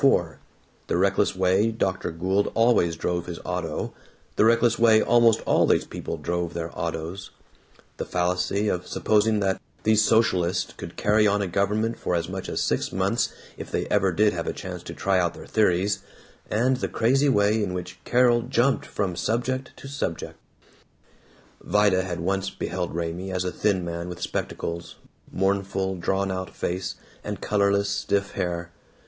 4, the reckless way Dr. Gould always drove his auto, the reckless way almost all these people drove their autos, the fallacy of supposing that these socialists could carry on a government for as much as six months if they ever did have a chance to try out their theories, and the crazy way in which Carol jumped from subject to subject. Vida had once beheld Raymie as a thin man with spectacles, mournful drawn out face, and colorless stiff hair.